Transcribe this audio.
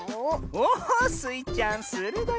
おおスイちゃんするどいね。